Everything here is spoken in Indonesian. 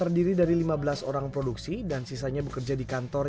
as bueno hari ini pun seorang entrepreneur